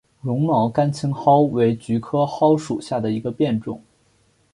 绒毛甘青蒿为菊科蒿属下的一个变种。